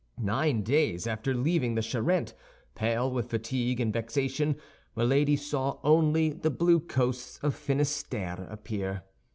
Nine days after leaving the Charente, pale with fatigue and vexation, Milady saw only the blue coasts of Finisterre appear.